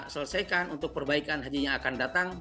selesaikan untuk perbaikan haji yang akan datang